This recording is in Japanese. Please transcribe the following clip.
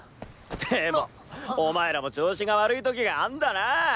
でもお前らも調子が悪いときがあんだなぁ。